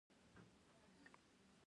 دوی د کیمیاوي پروسو له لارې مواد تولیدوي.